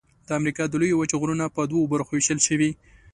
د امریکا د لویې وچې غرونه په دوو برخو ویشل شوي.